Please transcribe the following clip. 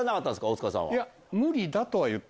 大塚さんは。